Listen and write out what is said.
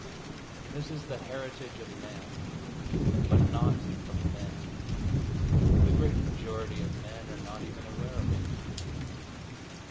This is the heritage of man, but not of men. The great majority of men are not even aware of it.